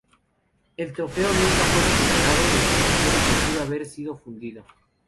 El trofeo nunca fue recuperado, lo que sugiere que pudo haber sido fundido.